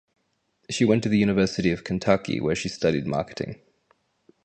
She went to the University of Kentucky where she studied marketing.